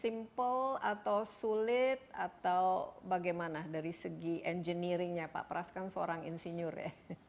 simple atau sulit atau bagaimana dari segi engineeringnya pak pras kan seorang insinyur ya